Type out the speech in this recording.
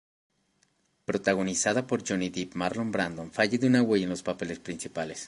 Protagonizada por Johnny Depp, Marlon Brando, Faye Dunaway en los papeles principales.